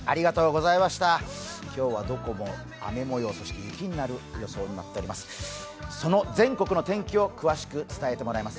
今日はどこも雨模様、雪になる予想になっています。